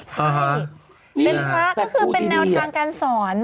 ใช่เป็นพระก็คือเป็นแนวทางการสอน